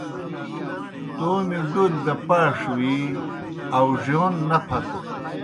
تومیْ ڈولیْ دہ پاݜ وی آؤڙِیون نہ پھتہ۔